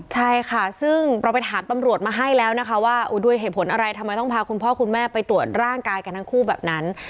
ใช่ค่ะซึ่งเราไปถามตำรวจมาให้แล้วนะคะว่าด้วยเหตุผลอะไรทำไมต้องพาคุณพ่อคุณแม่ไปตรวจร่างกายกันทั้งคู่แบบนั้น